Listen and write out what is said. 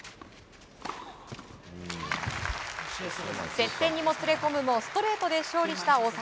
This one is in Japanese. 接戦にもつれ込むもストレートで勝利した大坂。